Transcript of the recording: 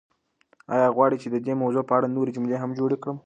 ایا غواړئ چې د دې موضوع په اړه نورې جملې هم جوړې کړم؟